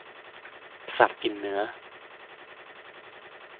สัตว์กินเนื้อ